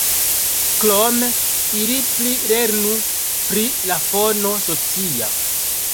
Krome ili pli lernu pri la fono socia.